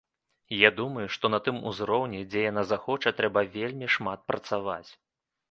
Я думаю, што на тым узроўні, дзе яна захоча, трэба вельмі шмат працаваць.